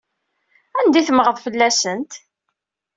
Anda ay temmɣeḍ fell-asent?